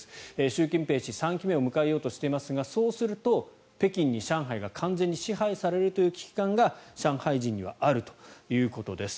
習近平氏３期目を迎えようとしていますがそうすると、北京に上海が完全に支配されるという危機感が上海人にはあるということです。